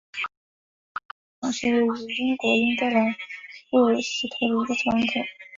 布里斯托港是位于英国英格兰布里斯托的一座港口。